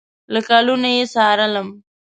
له کلونو یې څارلم